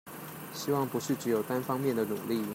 希望不是只有單方面的努力